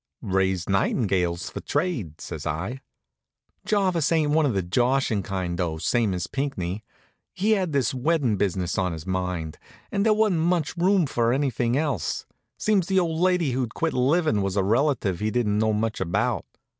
"Raise nightingales for the trade," says I. Jarvis ain't one of the joshin' kind, though, same as Pinckney. He had this weddin' business on his mind, and there wa'n't much room for anything else. Seems the old lady who'd quit livin' was a relative he didn't know much about.